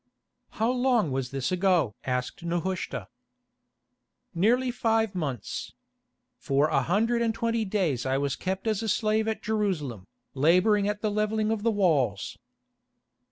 "How long was this ago?" asked Nehushta. "Nearly five months. For a hundred and twenty days I was kept as a slave at Jerusalem, labouring at the levelling of the walls."